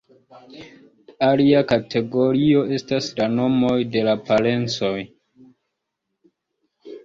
Alia kategorio estas la nomoj de la parencoj.